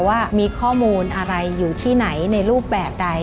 ว่ามีข้อมูลอะไรอยู่ที่ไหนในรูปแบบใด